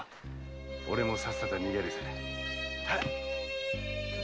俺もさっさと逃げるさ。